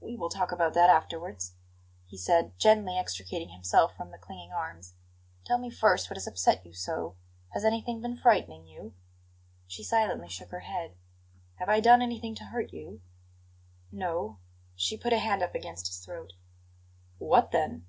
"We will talk about that afterwards," he said, gently extricating himself from the clinging arms. "Tell me first what has upset you so. Has anything been frightening you?" She silently shook her head. "Have I done anything to hurt you?" "No." She put a hand up against his throat. "What, then?"